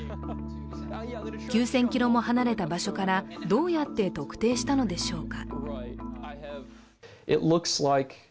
９０００ｋｍも離れた場所からどうやって特定したのでしょうか